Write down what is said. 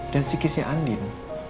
dan psikisnya andin